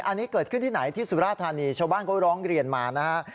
อันนี้เกิดขึ้นที่ไหนที่สุราธานีชาวบ้านเขาร้องเรียนมานะฮะ